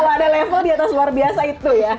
kalau ada level di atas luar biasa itu ya